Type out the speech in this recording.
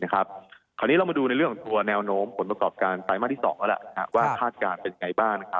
คราวนี้เรามาดูในเรื่องของตัวแนวโน้มผลประกอบการไตรมาสที่๒แล้วว่าคาดการณ์เป็นไงบ้าง